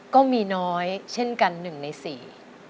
ก็มีน้อยเช่นกัน๑ใน๔